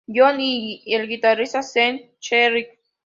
John y el guitarrista Stevie Shears.